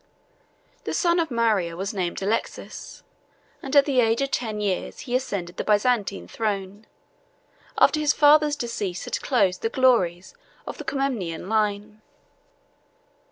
The son of Maria was named Alexius; and at the age of ten years he ascended the Byzantine throne, after his father's decease had closed the glories of the Comnenian line.